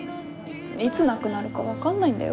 いつなくなるか分かんないんだよ？